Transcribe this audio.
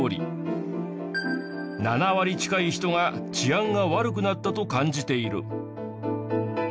７割近い人が治安が悪くなったと感じている。